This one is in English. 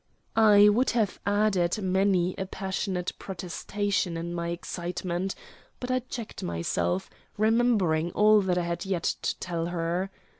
I would have added many a passionate protestation in my excitement, but I checked myself, remembering all I had yet to tell her.